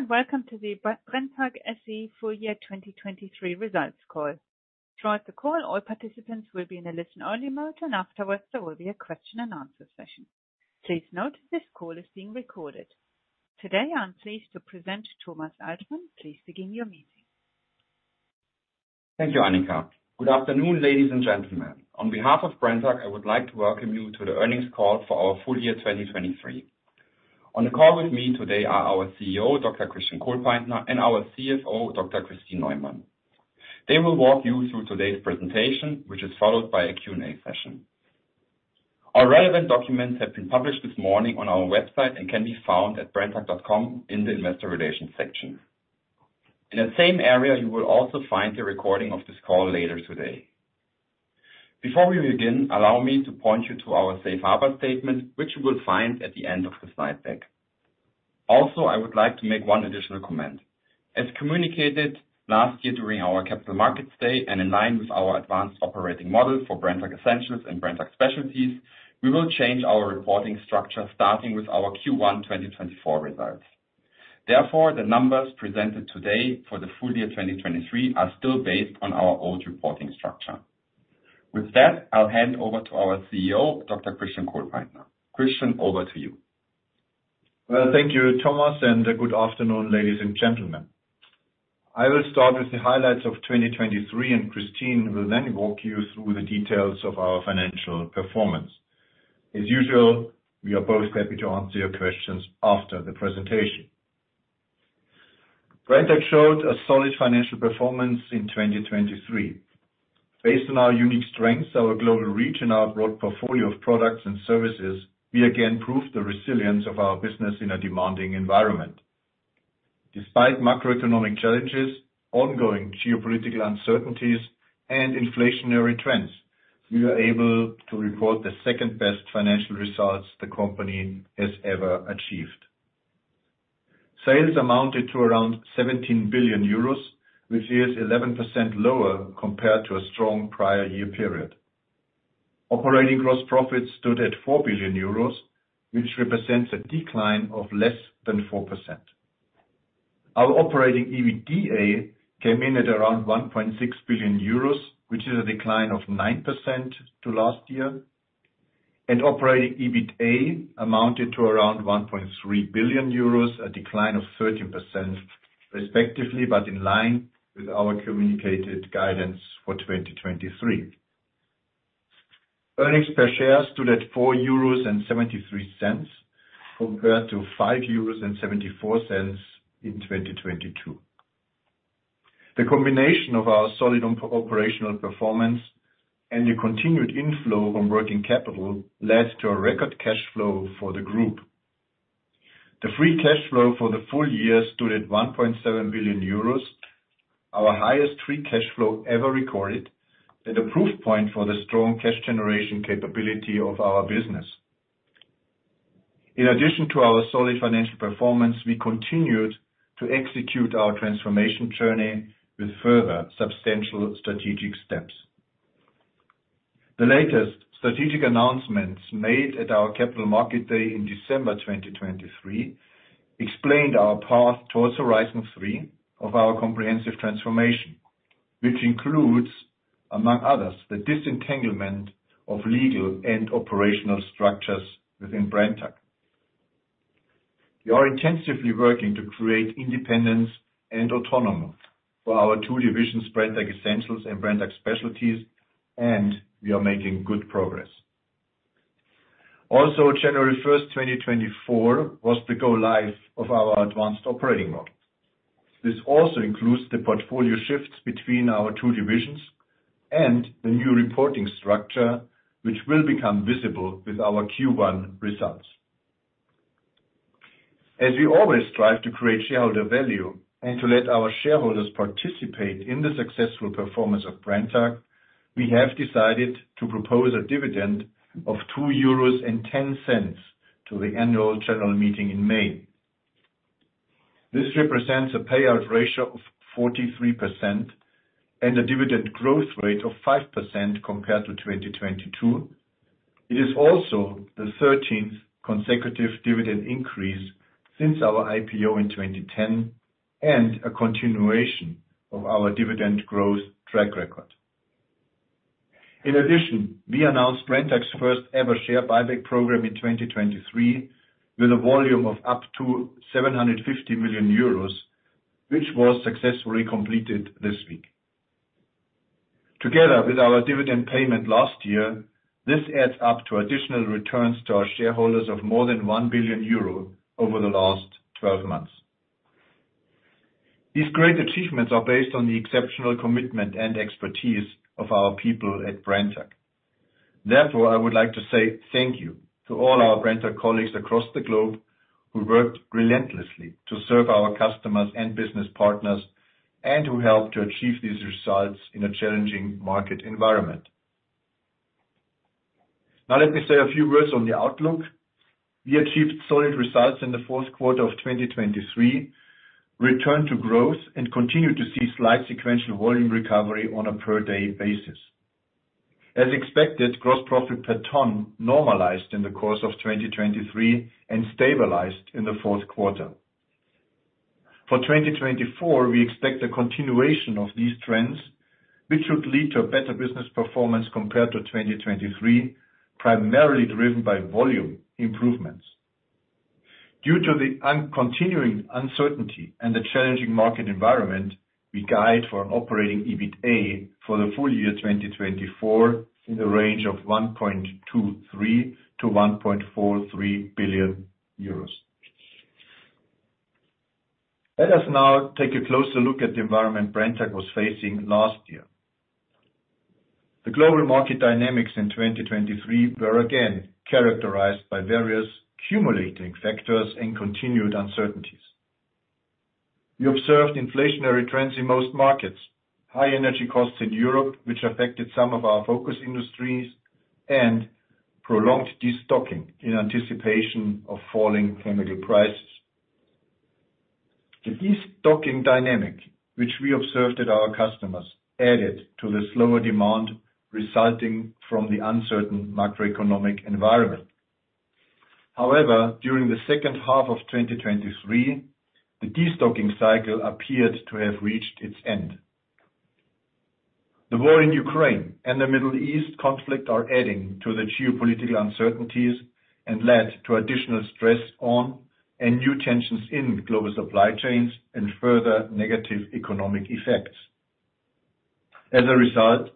Hello and welcome to the Brenntag SE full year 2023 results call. Throughout the call, all participants will be in a listen-only mode, and afterwards there will be a question-and-answer session. Please note this call is being recorded. Today I'm pleased to present Thomas Altmann. Please begin your meeting. Thank you, Annika. Good afternoon, ladies and gentlemen. On behalf of Brenntag, I would like to welcome you to the earnings call for our full year 2023. On the call with me today are our CEO, Dr. Christian Kohlpaintner, and our CFO, Dr. Kristin Neumann. They will walk you through today's presentation, which is followed by a Q&A session. Our relevant documents have been published this morning on our website and can be found at brenntag.com in the investor relations section. In the same area, you will also find the recording of this call later today. Before we begin, allow me to point you to our Safe Harbor Statement, which you will find at the end of the slide deck. Also, I would like to make one additional comment. As communicated last year during our Capital Markets Day and in line with our advanced operating model for Brenntag Essentials and Brenntag Specialties, we will change our reporting structure starting with our Q1 2024 results. Therefore, the numbers presented today for the full year 2023 are still based on our old reporting structure. With that, I'll hand over to our CEO, Dr. Christian Kohlpaintner. Christian, over to you. Well, thank you, Thomas, and good afternoon, ladies and gentlemen. I will start with the highlights of 2023, and Kristin will then walk you through the details of our financial performance. As usual, we are both happy to answer your questions after the presentation. Brenntag showed a solid financial performance in 2023. Based on our unique strengths, our global reach, and our broad portfolio of products and services, we again proved the resilience of our business in a demanding environment. Despite macroeconomic challenges, ongoing geopolitical uncertainties, and inflationary trends, we were able to report the second-best financial results the company has ever achieved. Sales amounted to around 17 billion euros, which is 11% lower compared to a strong prior year period. Operating gross profits stood at 4 billion euros, which represents a decline of less than 4%. Our operating EBITDA came in at around 1.6 billion euros, which is a decline of 9% to last year. Operating EBITA amounted to around 1.3 billion euros, a decline of 13% respectively, but in line with our communicated guidance for 2023. Earnings per share stood at 4.73 euros compared to 5.74 euros in 2022. The combination of our solid operational performance and the continued inflow from working capital led to a record cash flow for the group. The free cash flow for the full year stood at 1.7 billion euros, our highest free cash flow ever recorded, and a proof point for the strong cash generation capability of our business. In addition to our solid financial performance, we continued to execute our transformation journey with further substantial strategic steps. The latest strategic announcements made at our Capital Markets Day in December 2023 explained our path towards Horizon 3 of our comprehensive transformation, which includes, among others, the disentanglement of legal and operational structures within Brenntag. We are intensively working to create independence and autonomy for our two divisions, Brenntag Essentials and Brenntag Specialties, and we are making good progress. Also, January 1st, 2024, was the go-live of our Advanced Operating Model. This also includes the portfolio shifts between our two divisions and the new reporting structure, which will become visible with our Q1 results. As we always strive to create shareholder value and to let our shareholders participate in the successful performance of Brenntag, we have decided to propose a dividend of 2.10 euros to the annual general meeting in May. This represents a payout ratio of 43% and a dividend growth rate of 5% compared to 2022. It is also the 13th consecutive dividend increase since our IPO in 2010 and a continuation of our dividend growth track record. In addition, we announced Brenntag's first-ever share buyback program in 2023 with a volume of up to 750 million euros, which was successfully completed this week. Together with our dividend payment last year, this adds up to additional returns to our shareholders of more than 1 billion euro over the last 12 months. These great achievements are based on the exceptional commitment and expertise of our people at Brenntag. Therefore, I would like to say thank you to all our Brenntag colleagues across the globe who worked relentlessly to serve our customers and business partners and who helped to achieve these results in a challenging market environment. Now, let me say a few words on the outlook. We achieved solid results in the fourth quarter of 2023, returned to growth, and continue to see slight sequential volume recovery on a per-day basis. As expected, gross profit per ton normalized in the course of 2023 and stabilized in the fourth quarter. For 2024, we expect a continuation of these trends, which would lead to a better business performance compared to 2023, primarily driven by volume improvements. Due to the continuing uncertainty and the challenging market environment, we guide for an operating EBITA for the full year 2024 in the range of 1.23-1.43 billion euros. Let us now take a closer look at the environment Brenntag was facing last year. The global market dynamics in 2023 were again characterized by various cumulating factors and continued uncertainties. We observed inflationary trends in most markets, high energy costs in Europe, which affected some of our focus industries, and prolonged destocking in anticipation of falling chemical prices. The destocking dynamic, which we observed at our customers, added to the slower demand resulting from the uncertain macroeconomic environment. However, during the second half of 2023, the destocking cycle appeared to have reached its end. The war in Ukraine and the Middle East conflict are adding to the geopolitical uncertainties and led to additional stress on and new tensions in global supply chains and further negative economic effects. As a result,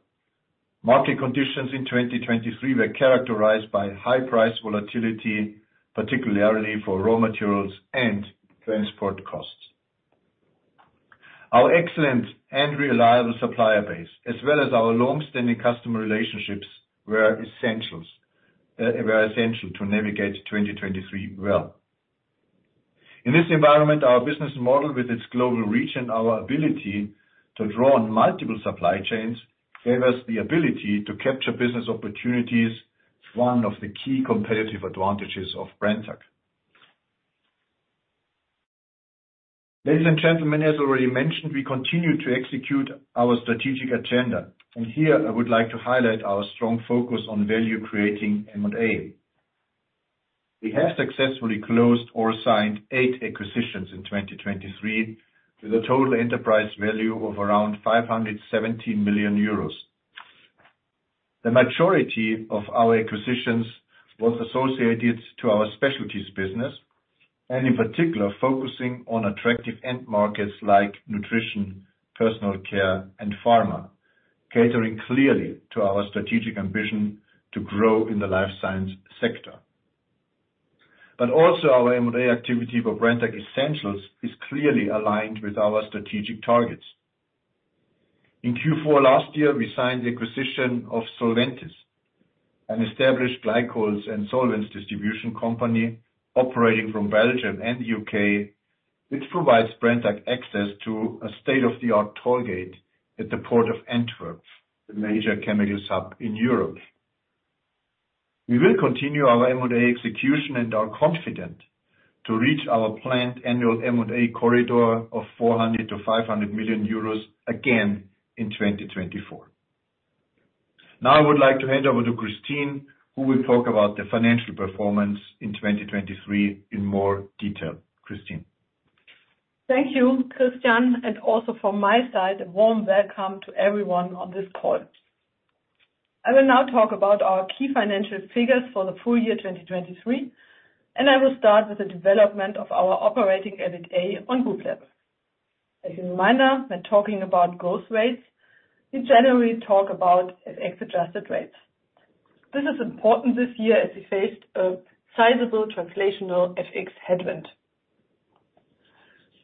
market conditions in 2023 were characterized by high price volatility, particularly for raw materials and transport costs. Our excellent and reliable supplier base, as well as our longstanding customer relationships, were essential to navigate 2023 well. In this environment, our business model, with its global reach and our ability to draw on multiple supply chains, gave us the ability to capture business opportunities, one of the key competitive advantages of Brenntag. Ladies and gentlemen, as already mentioned, we continue to execute our strategic agenda, and here I would like to highlight our strong focus on value creating and on A. We have successfully closed or signed eight acquisitions in 2023 with a total enterprise value of around 517 million euros. The majority of our acquisitions was associated to our specialties business and, in particular, focusing on attractive end markets like nutrition, personal care, and pharma, catering clearly to our strategic ambition to grow in the life science sector. But also, our M&A activity for Brenntag Essentials is clearly aligned with our strategic targets. In Q4 last year, we signed the acquisition of Solventis, an established glycols and solvents distribution company operating from Belgium and the U.K., which provides Brenntag access to a state-of-the-art tollgate at the port of Antwerp, the major chemical hub in Europe. We will continue our M&A execution and are confident to reach our planned annual M&A corridor of 400 million-500 million euros again in 2024. Now, I would like to hand over to Kristin, who will talk about the financial performance in 2023 in more detail. Kristin. Thank you, Christian. Also from my side, a warm welcome to everyone on this call. I will now talk about our key financial figures for the full year 2023, and I will start with the development of our operating EBITA on group level. As a reminder, when talking about growth rates, we generally talk about FX-adjusted rates. This is important this year as we faced a sizable translational FX headwind.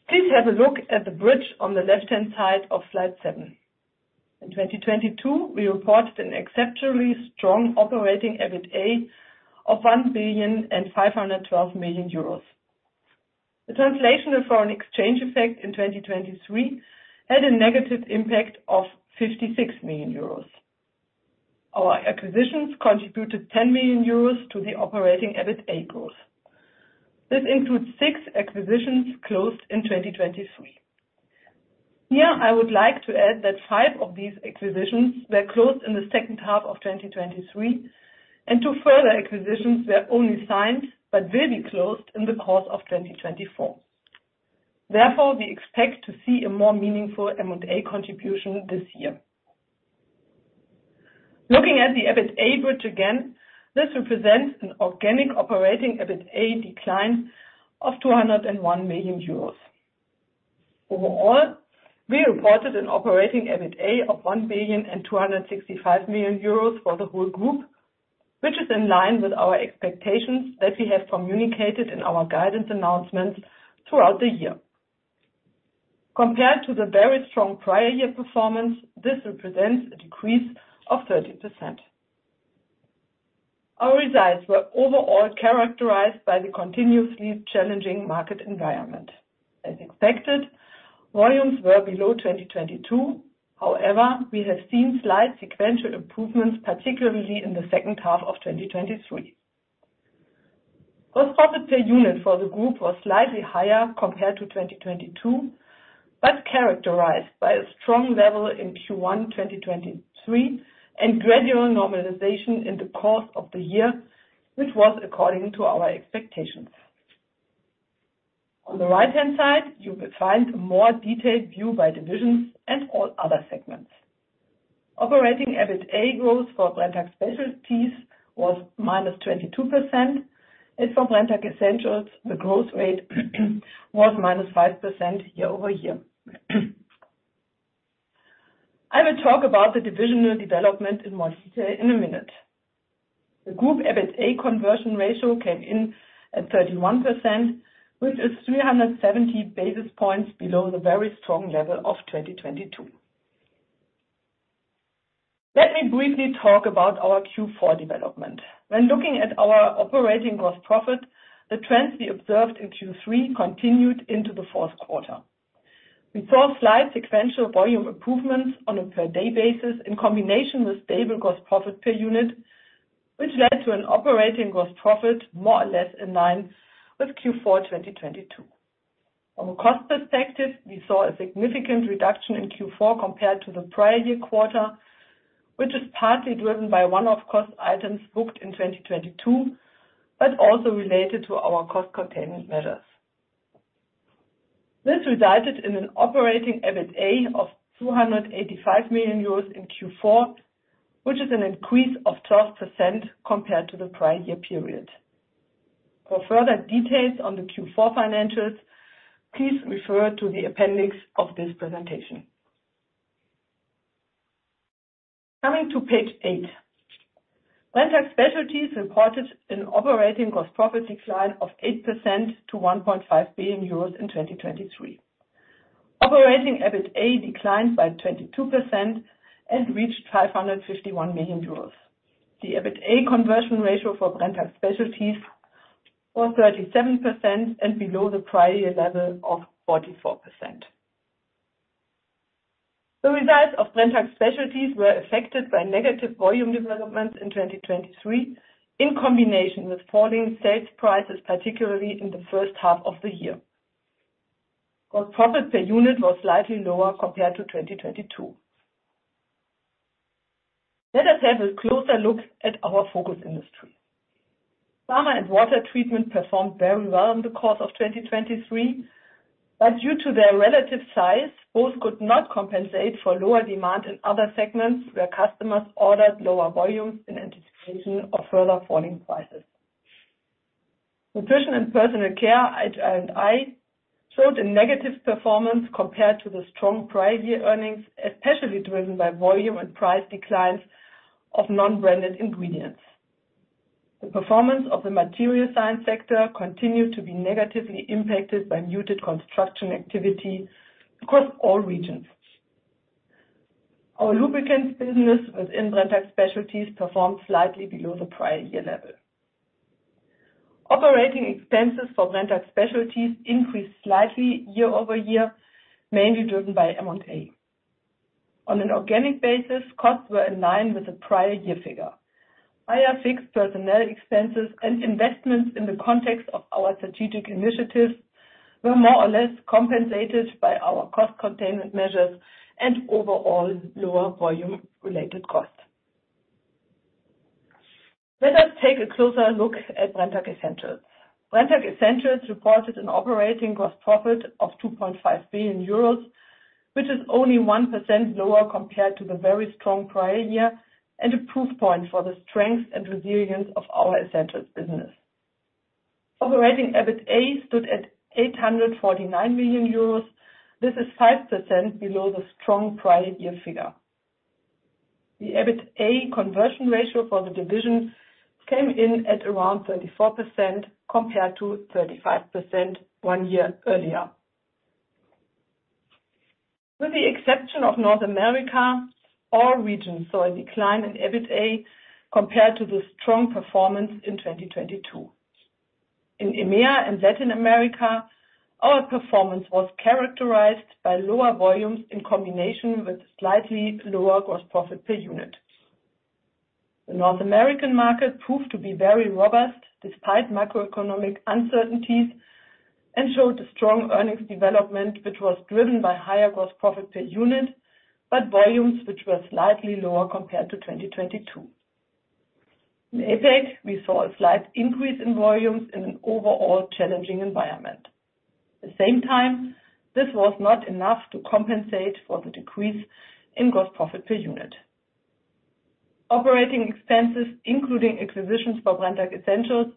Please have a look at the bridge on the left-hand side of slide 7. In 2022, we reported an exceptionally strong operating EBITA of 1.512 billion. The translational foreign exchange effect in 2023 had a negative impact of 56 million euros. Our acquisitions contributed 10 million euros to the operating EBITA growth. This includes six acquisitions closed in 2023. Here, I would like to add that 5 of these acquisitions were closed in the second half of 2023, and 2 further acquisitions were only signed but will be closed in the course of 2024. Therefore, we expect to see a more meaningful M&A contribution this year. Looking at the EBITA bridge again, this represents an organic operating EBITA decline of 201 million euros. Overall, we reported an operating EBITA of 1.265 million euros for the whole group, which is in line with our expectations that we have communicated in our guidance announcements throughout the year. Compared to the very strong prior year performance, this represents a decrease of 30%. Our results were overall characterized by the continuously challenging market environment. As expected, volumes were below 2022. However, we have seen slight sequential improvements, particularly in the second half of 2023. Gross profit per unit for the group was slightly higher compared to 2022 but characterized by a strong level in Q1 2023 and gradual normalization in the course of the year, which was according to our expectations. On the right-hand side, you will find a more detailed view by divisions and all other segments. Operating EBITA growth for Brenntag Specialties was -22%, and for Brenntag Essentials, the growth rate was -5% year-over-year. I will talk about the divisional development in more detail in a minute. The group EBITA conversion ratio came in at 31%, which is 370 basis points below the very strong level of 2022. Let me briefly talk about our Q4 development. When looking at our operating gross profit, the trends we observed in Q3 continued into the fourth quarter. We saw slight sequential volume improvements on a per-day basis in combination with stable gross profit per unit, which led to an operating gross profit more or less in line with Q4 2022. From a cost perspective, we saw a significant reduction in Q4 compared to the prior year quarter, which is partly driven by one-off cost items booked in 2022 but also related to our cost-containment measures. This resulted in an operating EBITA of 285 million euros in Q4, which is an increase of 12% compared to the prior year period. For further details on the Q4 financials, please refer to the appendix of this presentation. Coming to page 8, Brenntag Specialties reported an operating gross profit decline of 8% to 1.5 billion euros in 2023. Operating EBITA declined by 22% and reached 551 million euros. The EBITA conversion ratio for Brenntag Specialties was 37% and below the prior year level of 44%. The results of Brenntag Specialties were affected by negative volume developments in 2023 in combination with falling sales prices, particularly in the first half of the year. Gross profit per unit was slightly lower compared to 2022. Let us have a closer look at our focus industries. Pharma and Water Treatment performed very well in the course of 2023, but due to their relative size, both could not compensate for lower demand in other segments where customers ordered lower volumes in anticipation of further falling prices. Nutrition and Personal Care, HI&I, showed a negative performance compared to the strong prior year earnings, especially driven by volume and price declines of non-branded ingredients. The performance of the Materials Science sector continued to be negatively impacted by muted construction activity across all regions. Our lubricants business within Brenntag Specialties performed slightly below the prior year level. Operating expenses for Brenntag Specialties increased slightly year-over-year, mainly driven by M&A. On an organic basis, costs were in line with the prior year figure. Higher fixed personnel expenses and investments in the context of our strategic initiatives were more or less compensated by our cost-containment measures and overall lower volume-related costs. Let us take a closer look at Brenntag Essentials. Brenntag Essentials reported an operating gross profit of 2.5 billion euros, which is only 1% lower compared to the very strong prior year and a proof point for the strength and resilience of our essentials business. Operating EBITA stood at 849 million euros. This is 5% below the strong prior year figure. The EBITA conversion ratio for the division came in at around 34% compared to 35% one year earlier. With the exception of North America, all regions saw a decline in EBITA compared to the strong performance in 2022. In EMEA and Latin America, our performance was characterized by lower volumes in combination with slightly lower gross profit per unit. The North American market proved to be very robust despite macroeconomic uncertainties and showed a strong earnings development, which was driven by higher gross profit per unit but volumes, which were slightly lower compared to 2022. In APEC, we saw a slight increase in volumes in an overall challenging environment. At the same time, this was not enough to compensate for the decrease in gross profit per unit. Operating expenses, including acquisitions for Brenntag Essentials,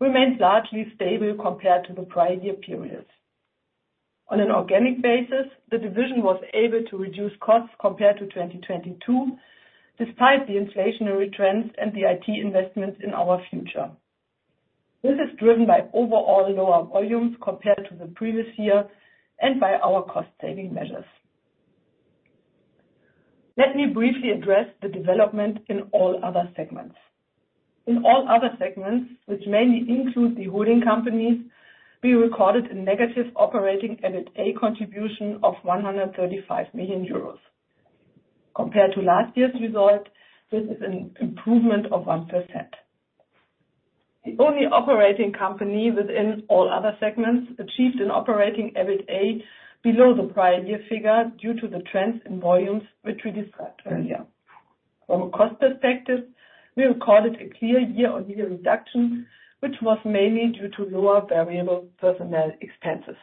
remained largely stable compared to the prior year periods. On an organic basis, the division was able to reduce costs compared to 2022 despite the inflationary trends and the IT investments in our future. This is driven by overall lower volumes compared to the previous year and by our cost-saving measures. Let me briefly address the development in all other segments. In all other segments, which mainly include the holding companies, we recorded a negative operating EBITA contribution of 135 million euros. Compared to last year's result, this is an improvement of 1%. The only operating company within all other segments achieved an operating EBITA below the prior year figure due to the trends in volumes, which we described earlier. From a cost perspective, we recorded a clear year-on-year reduction, which was mainly due to lower variable personnel expenses.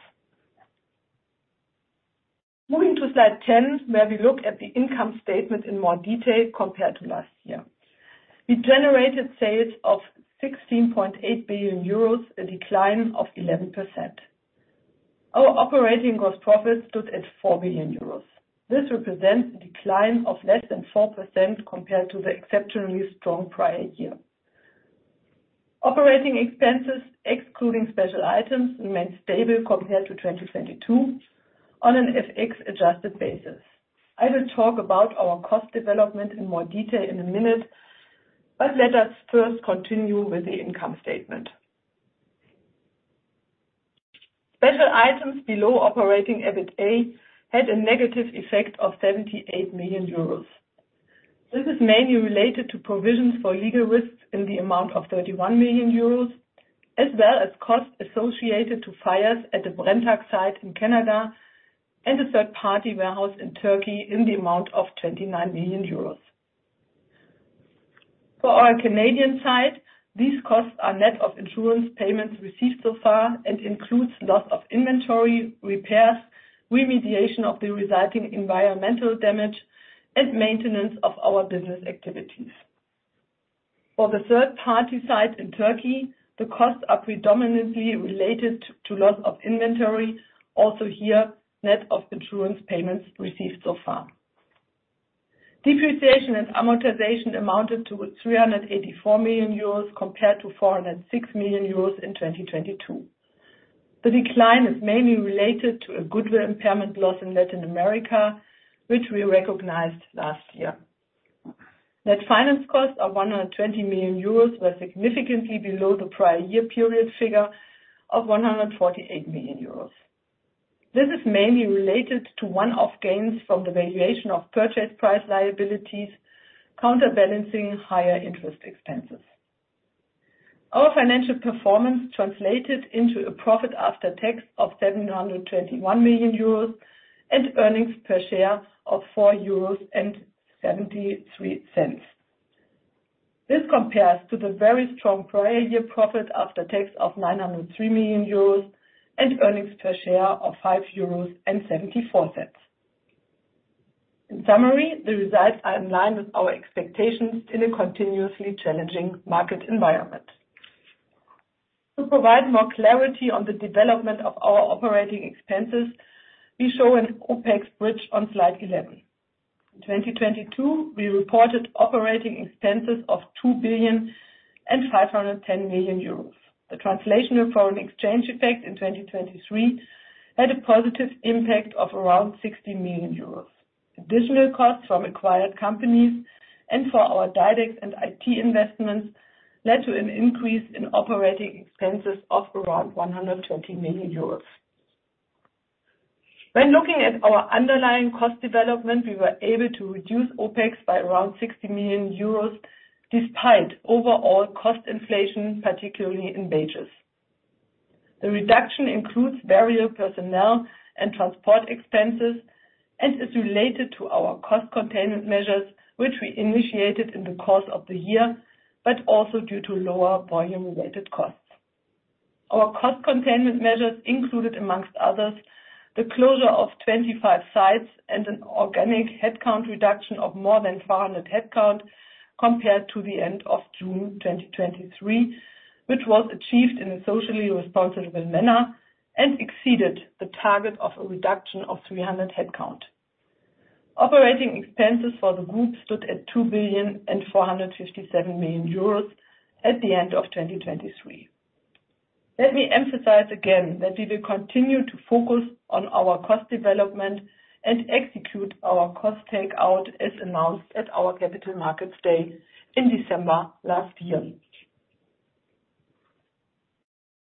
Moving to slide 10, where we look at the income statement in more detail compared to last year, we generated sales of 16.8 billion euros, a decline of 11%. Our operating gross profit stood at 4 billion euros. This represents a decline of less than 4% compared to the exceptionally strong prior year. Operating expenses, excluding special items, remained stable compared to 2022 on an FX-adjusted basis. I will talk about our cost development in more detail in a minute, but let us first continue with the income statement. Special items below operating EBITA had a negative effect of 78 million euros. This is mainly related to provisions for legal risks in the amount of 31 million euros, as well as costs associated to fires at a Brenntag site in Canada and a third-party warehouse in Turkey in the amount of 29 million euros. For our Canadian side, these costs are net of insurance payments received so far and include loss of inventory, repairs, remediation of the resulting environmental damage, and maintenance of our business activities. For the third-party site in Turkey, the costs are predominantly related to loss of inventory, also here net of insurance payments received so far. Depreciation and amortization amounted to 384 million euros compared to 406 million euros in 2022. The decline is mainly related to a goodwill impairment loss in Latin America, which we recognized last year. Net finance costs of 120 million euros were significantly below the prior year period figure of 148 million euros. This is mainly related to one-off gains from the valuation of purchase price liabilities counterbalancing higher interest expenses. Our financial performance translated into a profit after tax of 721 million euros and earnings per share of 4.73 euros. This compares to the very strong prior year profit after tax of 903 million euros and earnings per share of 5.74 euros. In summary, the results are in line with our expectations in a continuously challenging market environment. To provide more clarity on the development of our operating expenses, we show an OpEx bridge on slide 11. In 2022, we reported operating expenses of 2.510 Billion. The translational foreign exchange effect in 2023 had a positive impact of around 60 million euros. Additional costs from acquired companies and for our DiDEX and IT investments led to an increase in operating expenses of around 120 million euros. When looking at our underlying cost development, we were able to reduce OpEx by around 60 million euros despite overall cost inflation, particularly in wages. The reduction includes variable personnel and transport expenses and is related to our cost-containment measures, which we initiated in the course of the year but also due to lower volume-related costs. Our cost-containment measures included, among others, the closure of 25 sites and an organic headcount reduction of more than 500 headcount compared to the end of June 2023, which was achieved in a socially responsible manner and exceeded the target of a reduction of 300 headcount. Operating expenses for the group stood at 2.457 million euros at the end of 2023. Let me emphasize again that we will continue to focus on our cost development and execute our cost takeout as announced at our Capital Markets Day in December last year.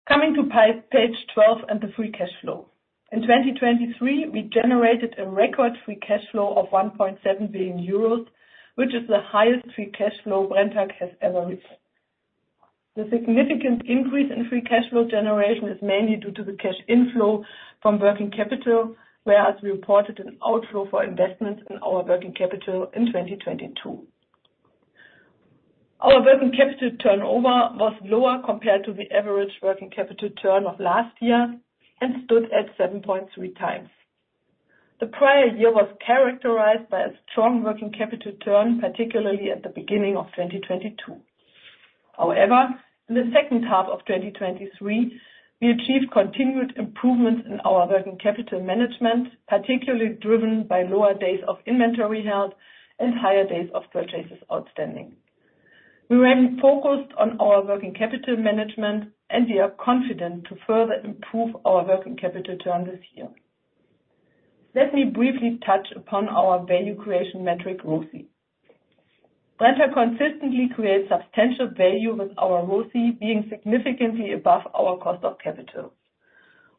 Coming to page 12 and the free cash flow. In 2023, we generated a record free cash flow of 1.7 billion euros, which is the highest free cash flow Brenntag has ever reached. The significant increase in Free Cash Flow generation is mainly due to the cash inflow from working capital, whereas we reported an outflow for investments in our working capital in 2022. Our working capital turnover was lower compared to the average working capital turn of last year and stood at 7.3x. The prior year was characterized by a strong working capital turn, particularly at the beginning of 2022. However, in the second half of 2023, we achieved continued improvements in our working capital management, particularly driven by lower days of inventory held and higher days of purchases outstanding. We remain focused on our working capital management, and we are confident to further improve our working capital turn this year. Let me briefly touch upon our value creation metric, ROCE. Brenntag consistently creates substantial value with our ROCE being significantly above our cost of capital.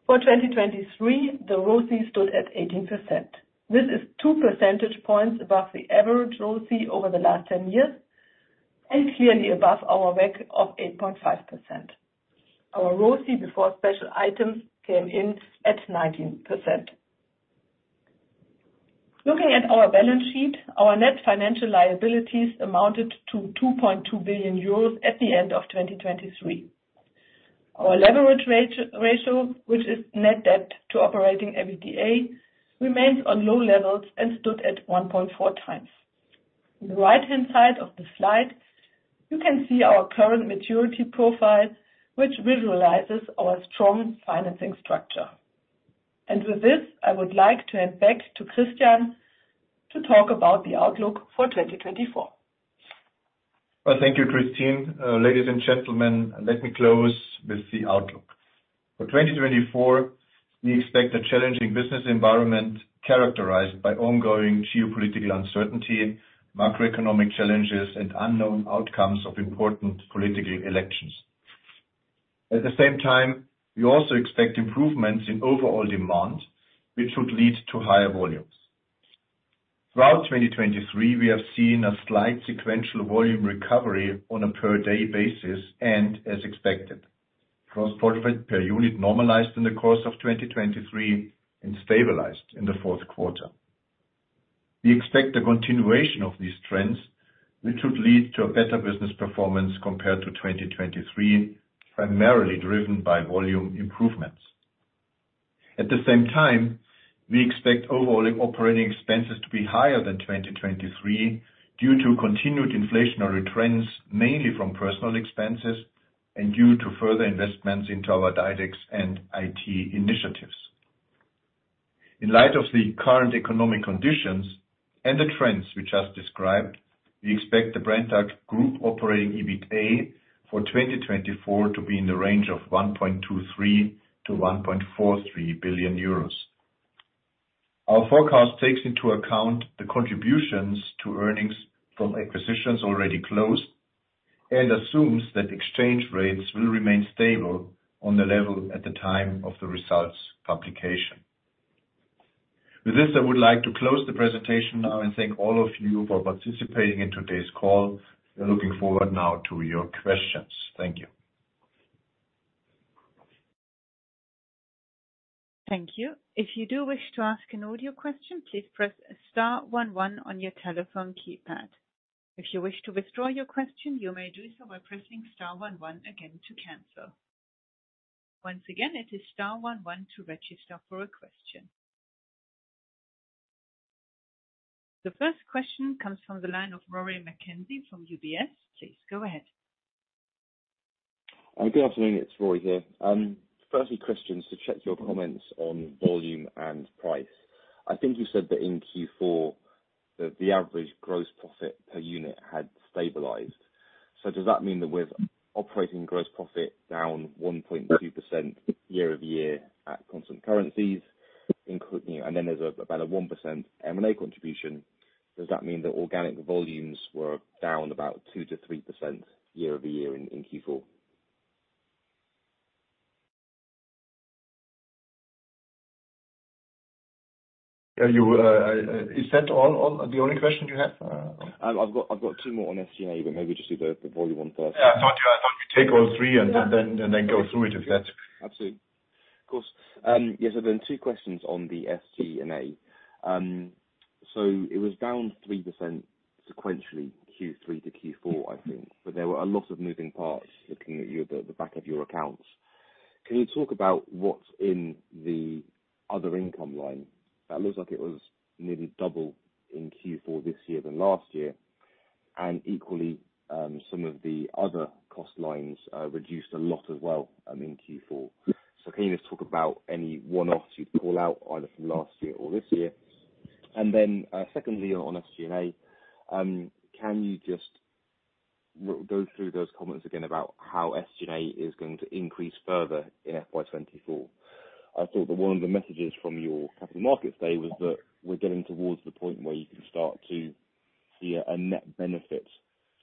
For 2023, the ROCI stood at 18%. This is two percentage points above the average ROCI over the last 10 years and clearly above our WACC of 8.5%. Our ROCI before special items came in at 19%. Looking at our balance sheet, our net financial liabilities amounted to 2.2 billion euros at the end of 2023. Our leverage ratio, which is net debt to operating EBITDA, remains on low levels and stood at 1.4x. On the right-hand side of the slide, you can see our current maturity profile, which visualizes our strong financing structure. With this, I would like to hand back to Christian to talk about the outlook for 2024. Well, thank you, Kristin. Ladies and gentlemen, let me close with the outlook. For 2024, we expect a challenging business environment characterized by ongoing geopolitical uncertainty, macroeconomic challenges, and unknown outcomes of important political elections. At the same time, we also expect improvements in overall demand, which would lead to higher volumes. Throughout 2023, we have seen a slight sequential volume recovery on a per-day basis and, as expected, gross profit per unit normalized in the course of 2023 and stabilized in the fourth quarter. We expect a continuation of these trends, which would lead to a better business performance compared to 2023, primarily driven by volume improvements. At the same time, we expect overall operating expenses to be higher than 2023 due to continued inflationary trends, mainly from personnel expenses and due to further investments into our DiDEX and IT initiatives. In light of the current economic conditions and the trends we just described, we expect the Brenntag Group operating EBITA for 2024 to be in the range of 1.23- 1.43 billion euros. Our forecast takes into account the contributions to earnings from acquisitions already closed and assumes that exchange rates will remain stable on the level at the time of the results publication. With this, I would like to close the presentation now and thank all of you for participating in today's call. We're looking forward now to your questions. Thank you. Thank you. If you do wish to ask an audio question, please press star 11 on your telephone keypad. If you wish to withdraw your question, you may do so by pressing star 11 again to cancel. Once again, it is star 11 to register for a question. The first question comes from the line of Rory McKenzie from UBS. Please go ahead. Good afternoon. It's Rory here. Firstly, questions to check your comments on volume and price. I think you said that in Q4, the average gross profit per unit had stabilized. So does that mean that with operating gross profit down 1.2% year-over-year at constant currencies, and then there's about a 1% M&A contribution, does that mean that organic volumes were down about 2%-3% year-over-year in Q4? Is that the only question you have? I've got two more on SG&A, but maybe just do the volume one first. Yeah. I thought you'd take all three and then go through it if that's fine. Absolutely. Of course. Yeah. So there are two questions on the SG&A. So it was down 3% sequentially Q3 to Q4, I think, but there were a lot of moving parts looking at the back of your accounts. Can you talk about what's in the other income line? That looks like it was nearly double in Q4 this year than last year, and equally, some of the other cost lines reduced a lot as well in Q4. So can you just talk about any one-offs you'd call out either from last year or this year? And then secondly, on SG&A, can you just go through those comments again about how SG&A is going to increase further in FY 2024? I thought that one of the messages from your Capital Markets Day was that we're getting towards the point where you can start to see a net benefit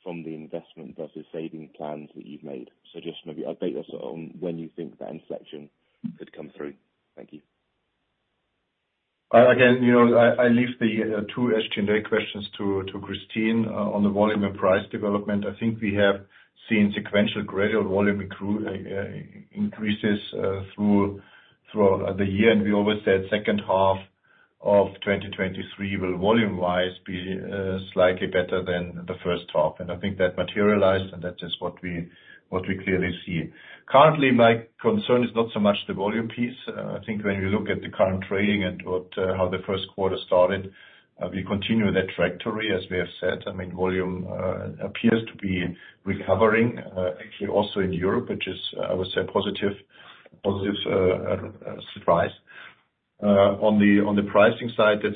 from the investment versus savings plans that you've made. So just maybe update us on when you think that inflection could come through. Thank you. Again, I leave the two SG&A questions to Kristin on the volume and price development. I think we have seen sequential gradual volume increases throughout the year, and we always said second half of 2023 will volume-wise be slightly better than the first half. I think that materialized, and that is what we clearly see. Currently, my concern is not so much the volume piece. I think when we look at the current trading and how the first quarter started, we continue that trajectory, as we have said. I mean, volume appears to be recovering, actually also in Europe, which is, I would say, a positive surprise. On the pricing side, that's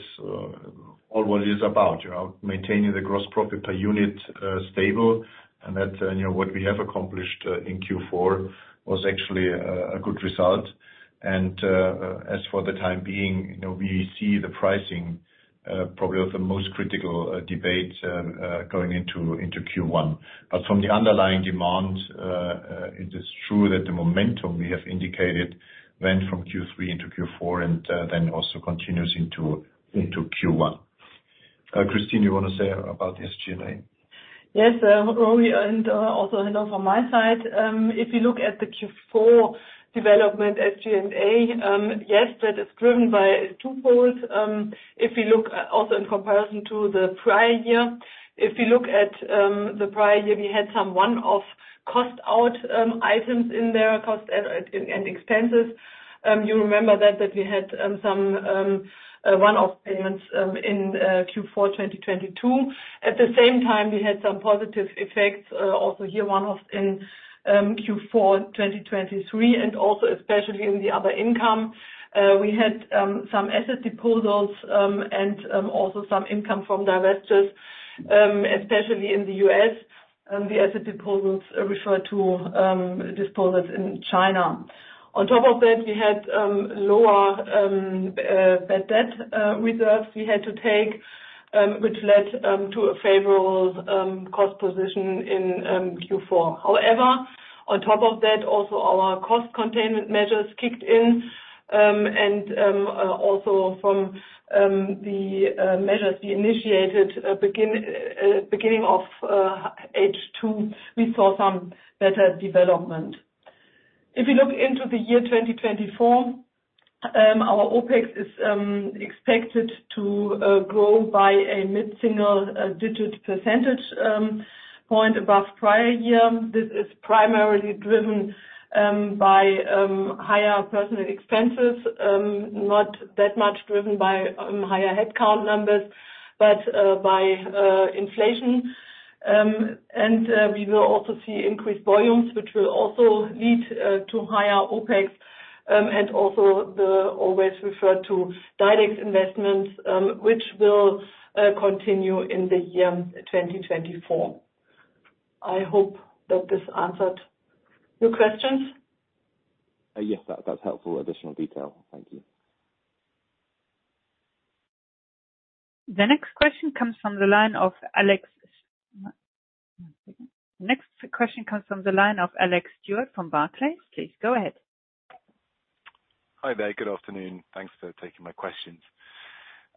all what it is about, maintaining the gross profit per unit stable, and that what we have accomplished in Q4 was actually a good result. As for the time being, we see the pricing probably as the most critical debate going into Q1. But from the underlying demand, it is true that the momentum we have indicated went from Q3 into Q4 and then also continues into Q1. Kristin, do you want to say about SG&A? Yes. Rory and also hello from my side. If you look at the Q4 development, SG&A, yes, that is driven by twofold. If you look also in comparison to the prior year, if you look at the prior year, we had some one-off cost-out items in there and expenses. You remember that we had some one-off payments in Q4 2022. At the same time, we had some positive effects also here, one-offs in Q4 2023, and also especially in the other income. We had some asset disposals and also some income from divestitures, especially in the U.S. The asset disposals refer to disposals in China. On top of that, we had lower net debt reserves we had to take, which led to a favorable cost position in Q4. However, on top of that, also our cost-containment measures kicked in, and also from the measures we initiated at the beginning of H2, we saw some better development. If you look into the year 2024, our OpEx is expected to grow by a mid-single-digit percentage point above prior year. This is primarily driven by higher personal expenses, not that much driven by higher headcount numbers but by inflation. And we will also see increased volumes, which will also lead to higher OpEx and also the always referred to DiDEX investments, which will continue in the year 2024. I hope that this answered your questions. Yes. That's helpful additional detail. Thank you. The next question comes from the line of Alex, one second. The next question comes from the line of Alex Stewart from Barclays. Please go ahead. Hi there. Good afternoon. Thanks for taking my questions.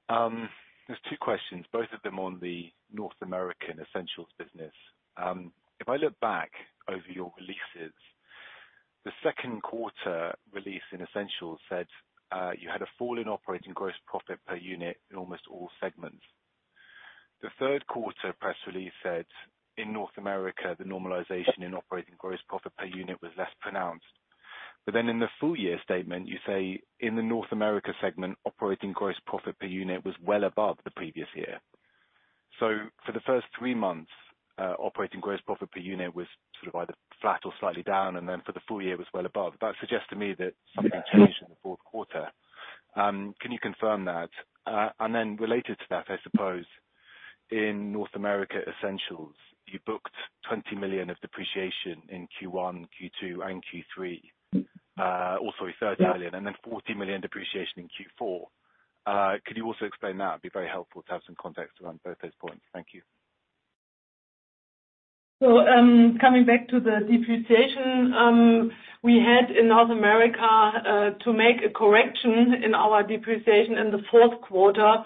There's two questions, both of them on the North American Essentials business. If I look back over your releases, the second quarter release in Essentials said you had a fall in operating gross profit per unit in almost all segments. The third quarter press release said, "In North America, the normalization in operating gross profit per unit was less pronounced." But then in the full-year statement, you say, "In the North America segment, operating gross profit per unit was well above the previous year." So for the first three months, operating gross profit per unit was sort of either flat or slightly down, and then for the full year, it was well above. That suggests to me that something changed in the fourth quarter. Can you confirm that? And then related to that, I suppose, in North America Essentials, you booked 20 million of depreciation in Q1, Q2, and Q3, oh, sorry, 30 million, and then 40 million depreciation in Q4. Could you also explain that? It'd be very helpful to have some context around both those points. Thank you. So coming back to the depreciation, we had in North America to make a correction in our depreciation in the fourth quarter,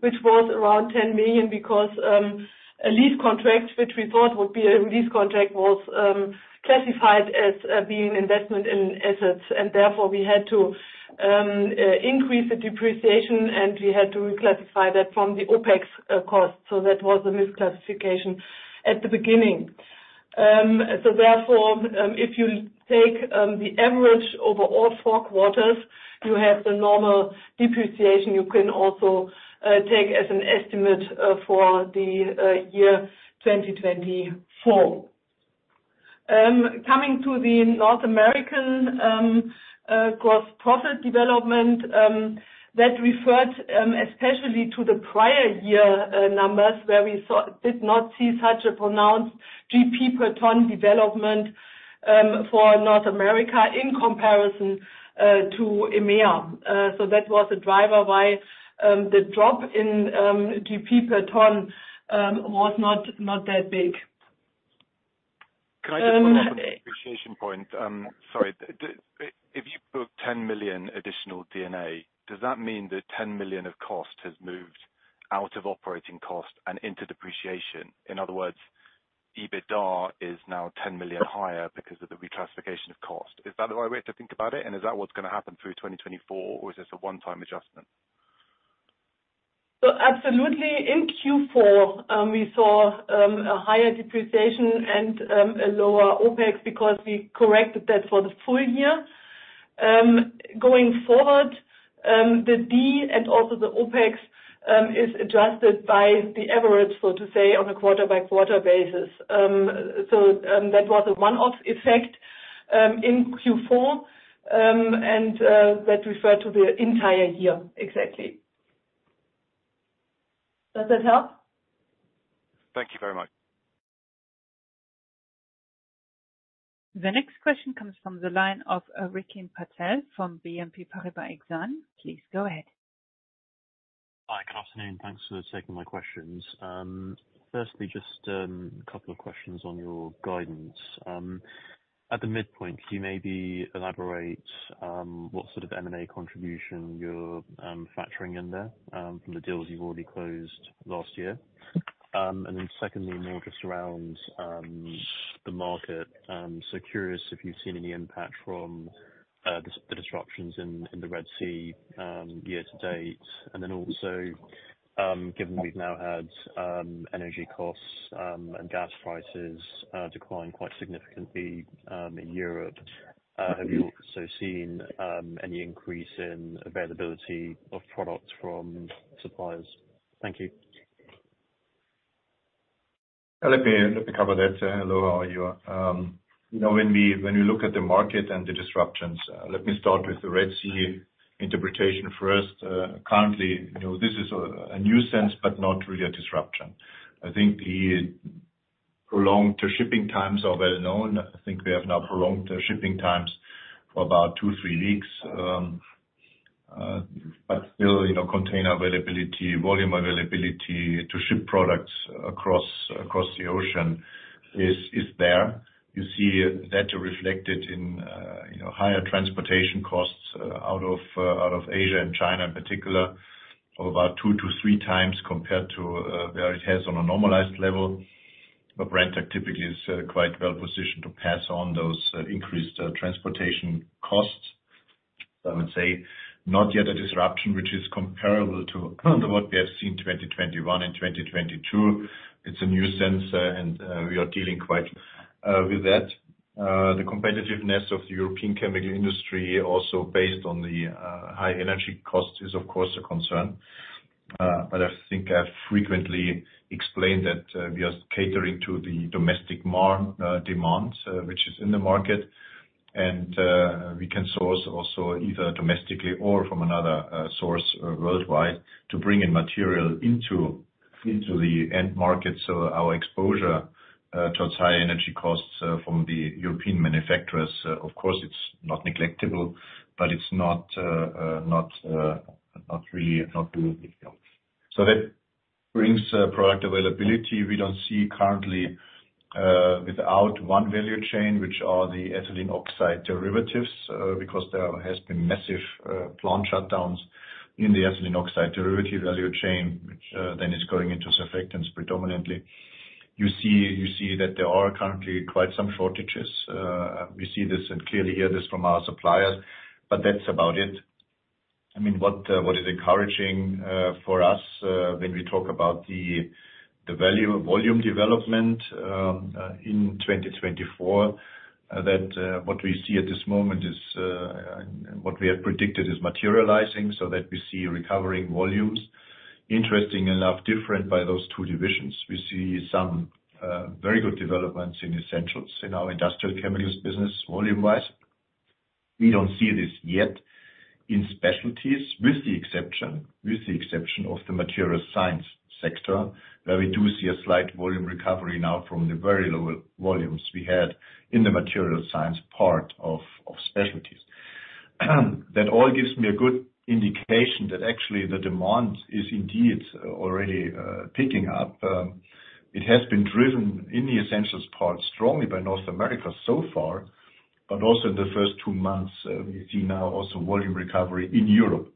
which was around 10 million because a lease contract, which we thought would be a lease contract, was classified as being investment in assets. And therefore, we had to increase the depreciation, and we had to reclassify that from the OpEx cost. So that was a misclassification at the beginning. So therefore, if you take the average over all 4 quarters, you have the normal depreciation you can also take as an estimate for the year 2024. Coming to the North America gross profit development, that referred especially to the prior year numbers where we did not see such a pronounced GP per ton development for North America in comparison to EMEA. So that was a driver why the drop in GP per ton was not that big. Can I just follow up on the depreciation point? Sorry. If you booked 10 million additional D&A, does that mean that 10 million of cost has moved out of operating cost and into depreciation? In other words, EBITDA is now 10 million higher because of the reclassification of cost. Is that the right way to think about it? And is that what's going to happen through 2024, or is this a one-time adjustment? So absolutely. In Q4, we saw a higher depreciation and a lower OPEX because we corrected that for the full year. Going forward, the D and also the OPEX is adjusted by the average, so to say, on a quarter-by-quarter basis. So that was a one-off effect in Q4, and that referred to the entire year exactly. Does that help? Thank you very much. The next question comes from the line of Rikin Patel from BNP Paribas Exane. Please go ahead. Hi. Good afternoon. Thanks for taking my questions. Firstly, just a couple of questions on your guidance. At the midpoint, could you maybe elaborate what sort of M&A contribution you're factoring in there from the deals you've already closed last year? And then secondly, more just around the market. So curious if you've seen any impact from the disruptions in the Red Sea year to date. And then also, given we've now had energy costs and gas prices decline quite significantly in Europe, have you also seen any increase in availability of products from suppliers? Thank you. Let me cover that. Hello. How are you? When we look at the market and the disruptions, let me start with the Red Sea situation first. Currently, this is nonsense but not really a disruption. I think the prolonged shipping times are well known. I think we have now prolonged shipping times for about 2-3 weeks. But still, container availability, volume availability to ship products across the ocean is there. You see that reflected in higher transportation costs out of Asia and China in particular, of about 2-3 times compared to where it has on a normalized level. But Brenntag typically is quite well positioned to pass on those increased transportation costs. So I would say not yet a disruption, which is comparable to what we have seen 2021 and 2022. It's intense, and we are dealing quite well with that. The competitiveness of the European chemical industry, also based on the high energy cost, is, of course, a concern. But I think I've frequently explained that we are catering to the domestic demand, which is in the market, and we can source also either domestically or from another source worldwide to bring in material into the end market. So our exposure towards high energy costs from the European manufacturers, of course, it's not negligible, but it's not really not doing anything else. So that brings product availability. We don't see currently without one value chain, which are the ethylene oxide derivatives, because there has been massive plant shutdowns in the ethylene oxide derivative value chain, which then is going into surfactants predominantly. You see that there are currently quite some shortages. We see this and clearly hear this from our suppliers, but that's about it. I mean, what is encouraging for us when we talk about the volume development in 2024, what we see at this moment is what we have predicted is materializing so that we see recovering volumes, interestingly enough, different by those two divisions. We see some very good developments in Essentials in our industrial chemicals business volume-wise. We don't see this yet in specialties, with the exception of the materials science sector, where we do see a slight volume recovery now from the very low volumes we had in the materials science part of specialties. That all gives me a good indication that actually the demand is indeed already picking up. It has been driven in the Essentials part strongly by North America so far, but also in the first two months, we see now also volume recovery in Europe.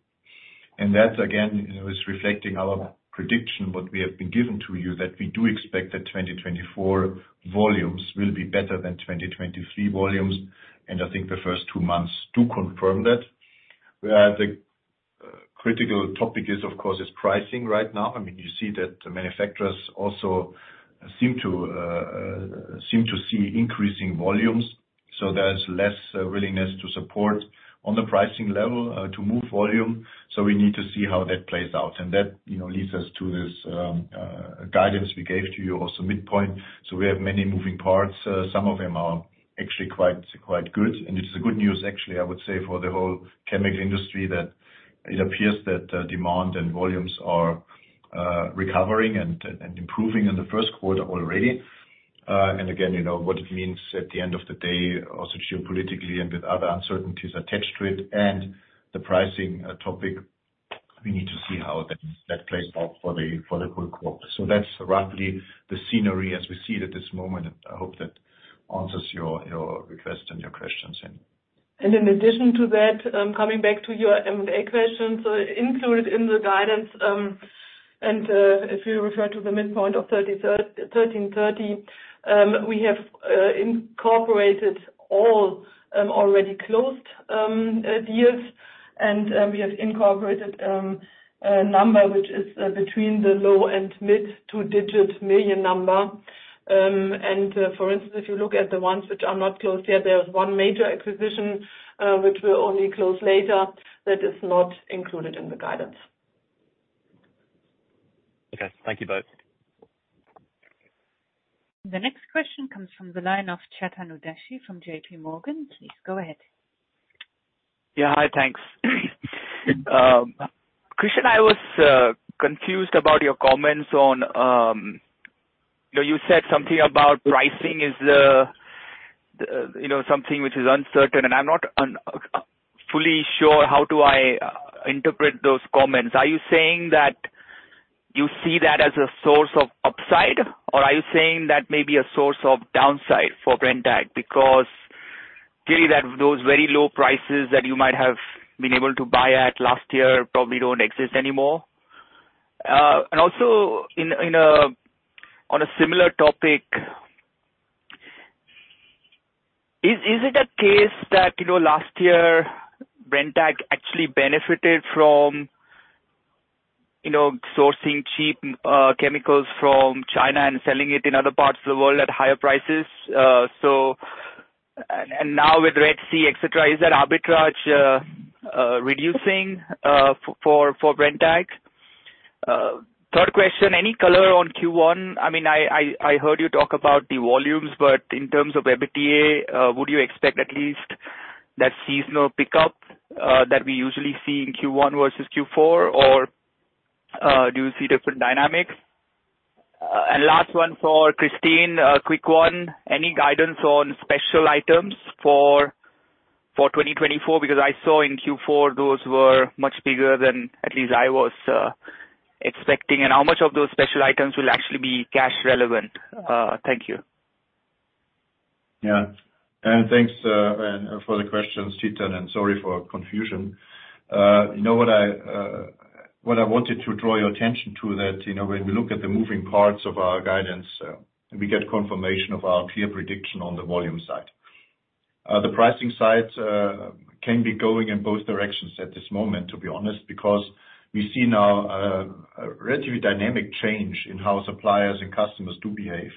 And that, again, is reflecting our prediction, what we have been given to you, that we do expect that 2024 volumes will be better than 2023 volumes. And I think the first two months do confirm that. Whereas the critical topic is, of course, pricing right now. I mean, you see that the manufacturers also seem to see increasing volumes. So there's less willingness to support on the pricing level to move volume. So we need to see how that plays out. And that leads us to this guidance we gave to you also midpoint. So we have many moving parts. Some of them are actually quite good. And it's good news, actually, I would say, for the whole chemical industry that it appears that demand and volumes are recovering and improving in the first quarter already. And again, what it means at the end of the day, also geopolitically and with other uncertainties attached to it and the pricing topic, we need to see how that plays out for the whole quarter. So that's roughly the scenario as we see it at this moment. I hope that answers your request and your questions. In addition to that, coming back to your M&A questions, included in the guidance and if you refer to the midpoint of 1,330, we have incorporated all already closed deals, and we have incorporated a number which is between the low- and mid-two-digit million EUR number. For instance, if you look at the ones which are not closed yet, there is one major acquisition which will only close later that is not included in the guidance. Okay. Thank you both. The next question comes from the line of Chetan Udeshi from J.P. Morgan. Please go ahead. Yeah. Hi. Thanks. Christian, I was confused about your comments on you said something about pricing is something which is uncertain, and I'm not fully sure how do I interpret those comments. Are you saying that you see that as a source of upside, or are you saying that may be a source of downside for Brenntag because, clearly, those very low prices that you might have been able to buy at last year probably don't exist anymore? And also on a similar topic, is it a case that last year, Brenntag actually benefited from sourcing cheap chemicals from China and selling it in other parts of the world at higher prices? And now with Red Sea, etc., is that arbitrage reducing for Brenntag? Third question, any color on Q1? I mean, I heard you talk about the volumes, but in terms of EBITDA, would you expect at least that seasonal pickup that we usually see in Q1 versus Q4, or do you see different dynamics? And last one for Kristin, a quick one, any guidance on special items for 2024? Because I saw in Q4, those were much bigger than at least I was expecting. And how much of those special items will actually be cash relevant? Thank you. Yeah. And thanks for the questions, Chetan, and sorry for confusion. What I wanted to draw your attention to, that when we look at the moving parts of our guidance and we get confirmation of our clear prediction on the volume side, the pricing side can be going in both directions at this moment, to be honest, because we see now a relatively dynamic change in how suppliers and customers do behave.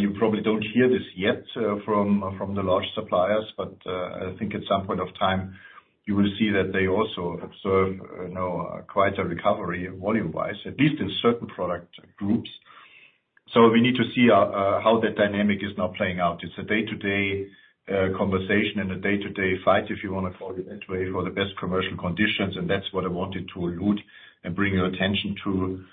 You probably don't hear this yet from the large suppliers, but I think at some point of time, you will see that they also observe quite a recovery volume-wise, at least in certain product groups. So we need to see how that dynamic is now playing out. It's a day-to-day conversation and a day-to-day fight, if you want to call it that way, for the best commercial conditions. And that's what I wanted to allude and bring your attention to,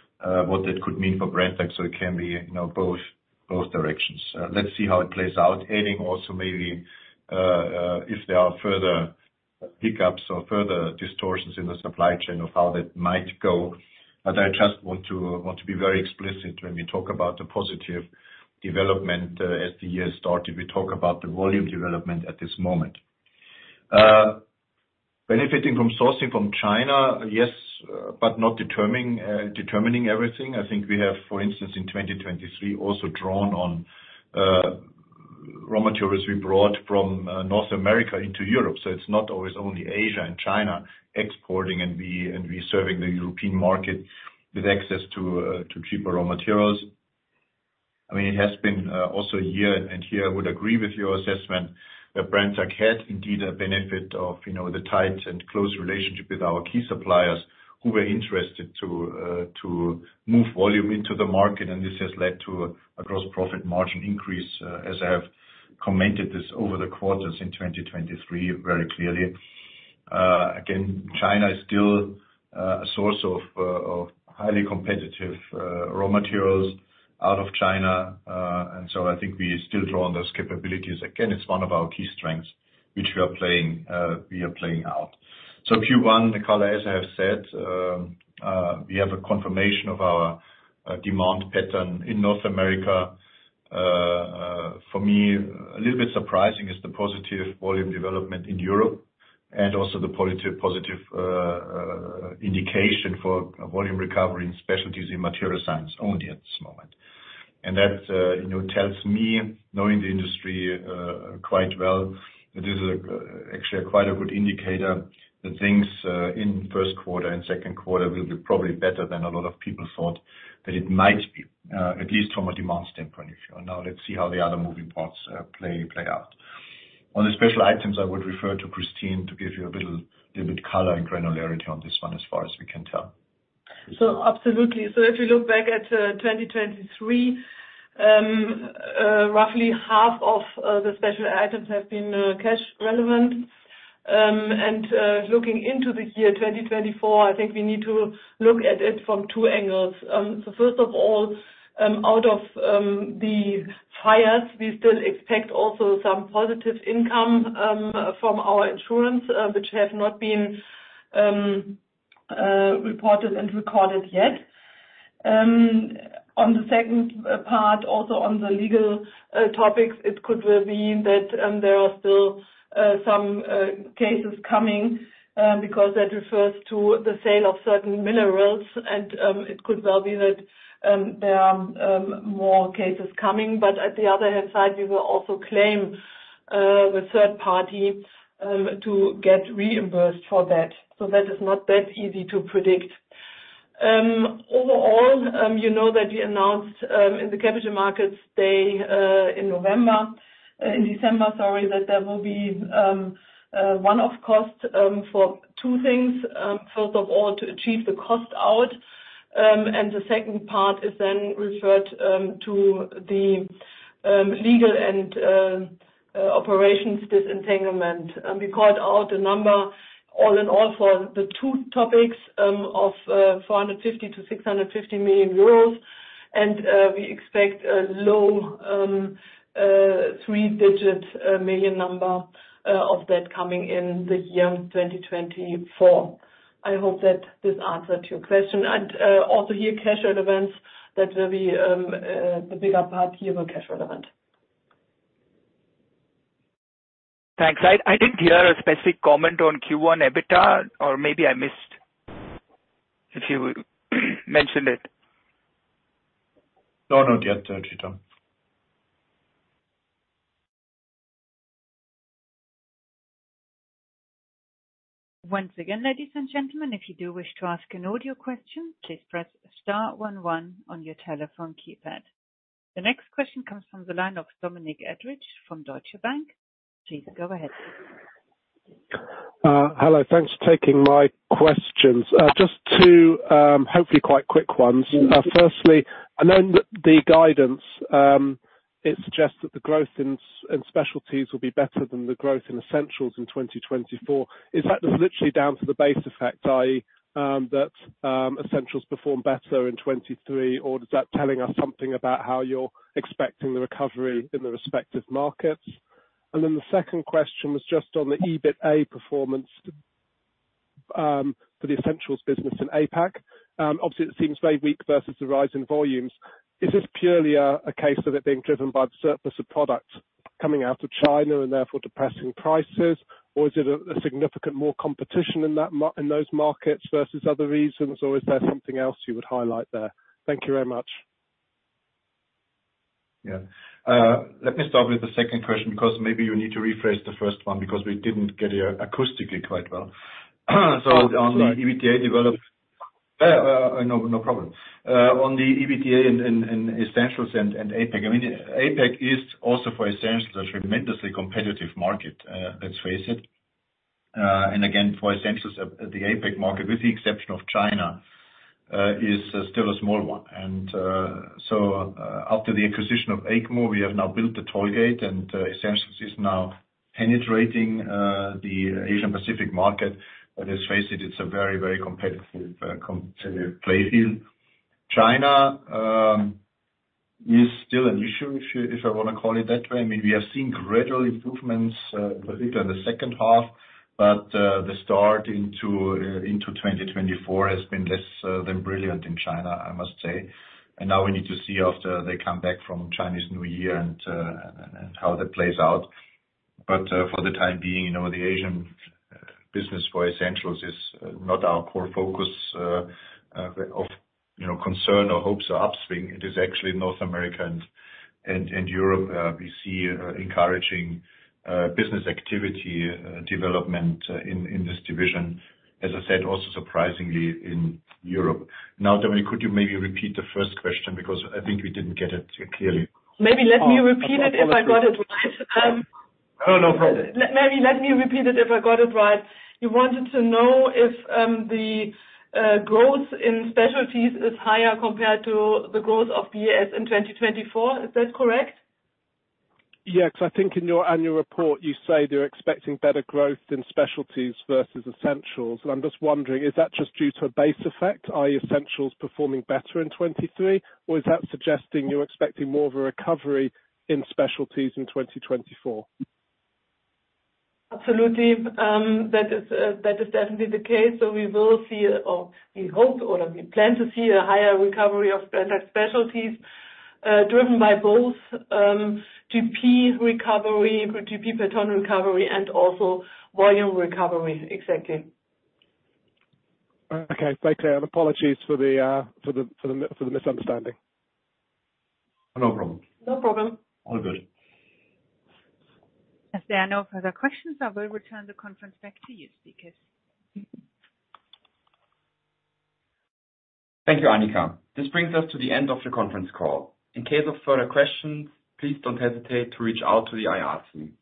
what that could mean for Brenntag. So it can be both directions. Let's see how it plays out, adding also maybe if there are further pickups or further distortions in the supply chain of how that might go. But I just want to be very explicit when we talk about the positive development as the year started. We talk about the volume development at this moment. Benefiting from sourcing from China, yes, but not determining everything. I think we have, for instance, in 2023, also drawn on raw materials we brought from North America into Europe. So it's not always only Asia and China exporting and we serving the European market with access to cheaper raw materials. I mean, it has been also a year, and here, I would agree with your assessment, that Brenntag had indeed a benefit of the tight and close relationship with our key suppliers who were interested to move volume into the market. And this has led to a gross profit margin increase, as I have commented this over the quarters in 2023 very clearly. Again, China is still a source of highly competitive raw materials out of China. And so I think we still draw on those capabilities. Again, it's one of our key strengths, which we are playing out. So Q1, the color, as I have said, we have a confirmation of our demand pattern in North America. For me, a little bit surprising is the positive volume development in Europe and also the positive indication for volume recovery in specialties in materials science only at this moment. That tells me, knowing the industry quite well, that this is actually quite a good indicator that things in first quarter and second quarter will be probably better than a lot of people thought that it might be, at least from a demand standpoint if you're now. Let's see how the other moving parts play out. On the special items, I would refer to Kristin to give you a little bit color and granularity on this one as far as we can tell. Absolutely. If we look back at 2023, roughly half of the special items have been cash relevant. Looking into the year 2024, I think we need to look at it from two angles. First of all, out of the fires, we still expect also some positive income from our insurance, which have not been reported and recorded yet. On the second part, also on the legal topics, it could well be that there are still some cases coming because that refers to the sale of certain minerals. And it could well be that there are more cases coming. But on the other hand, we will also claim with third party to get reimbursed for that. So that is not that easy to predict. Overall, you know that we announced in the capital markets day in November in December, sorry, that there will be one-off costs for two things. First of all, to achieve the cost out. And the second part is then referred to the legal and operations disentanglement. We called out a number, all in all, for the two topics of 450 million-650 million euros. And we expect a low three-digit million number of that coming in the year 2024. I hope that this answered your question. And also here, cash relevance, that will be the bigger part here, will cash relevant. Thanks. I didn't hear a specific comment on Q1 EBITDA, or maybe I missed if you mentioned it. No, not yet, Chetan. Once again, ladies and gentlemen, if you do wish to ask an audio question, please press STAR 11 on your telephone keypad. The next question comes from the line of Dominic Edridge from Deutsche Bank. Please go ahead. Hello. Thanks for taking my questions. Just two, hopefully quite quick ones. Firstly, I know in the guidance, it suggests that the growth in specialties will be better than the growth in essentials in 2024. Is that just literally down to the base effect, i.e., that essentials perform better in 2023, or is that telling us something about how you're expecting the recovery in the respective markets? And then the second question was just on the EBITA performance for the essentials business in APAC. Obviously, it seems very weak versus the rise in volumes. Is this purely a case of it being driven by the surplus of product coming out of China and therefore depressing prices, or is it a significant more competition in those markets versus other reasons, or is there something else you would highlight there? Thank you very much. Yeah. Let me start with the second question because maybe you need to rephrase the first one because we didn't get it acoustically quite well. So on the EBITA development no problem. On the EBITA in essentials and APAC, I mean, APAC is also for essentials a tremendously competitive market, let's face it. And again, for essentials, the APAC market, with the exception of China, is still a small one. So after the acquisition of ACMO, we have now built the tollgate, and Essentials is now penetrating the Asia-Pacific market. Let's face it, it's a very, very competitive playing field. China is still an issue, if I want to call it that way. I mean, we have seen gradual improvements, in particular in the second half, but the start into 2024 has been less than brilliant in China, I must say. Now we need to see after they come back from Chinese New Year and how that plays out. But for the time being, the Asian business for Essentials is not our core focus of concern or hopes or upswing. It is actually North America and Europe. We see encouraging business activity development in this division, as I said, also surprisingly in Europe. Now, Dominic, could you maybe repeat the first question because I think we didn't get it clearly? Maybe let me repeat it if I got it right. No, no problem. Maybe let me repeat it if I got it right. You wanted to know if the growth in Specialties is higher compared to the growth of Essentials in 2024. Is that correct? Yeah. Because I think in your annual report, you say they're expecting better growth in Specialties versus Essentials. And I'm just wondering, is that just due to a base effect, i.e., Essentials performing better in 2023, or is that suggesting you're expecting more of a recovery in Specialties in 2024? Absolutely. That is definitely the case. So we will see or we hope or we plan to see a higher recovery of Brenntag Specialties driven by both GP recovery, GP per ton recovery, and also volume recovery, exactly. Okay. Thank you. And apologies for the misunderstanding. No problem. No problem. All good. If there are no further questions, I will return the conference back to you, speakers. Thank you, Annika. This brings us to the end of the conference call. In case of further questions, please don't hesitate to reach out to the IR team.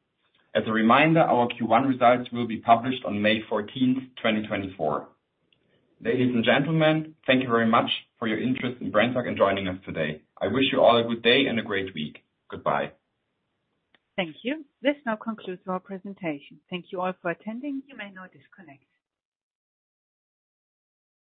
As a reminder, our Q1 results will be published on May 14th, 2024. Ladies and gentlemen, thank you very much for your interest in Brenntag and joining us today. I wish you all a good day and a great week. Goodbye. Thank you. This now concludes our presentation. Thank you all for attending. You may now disconnect.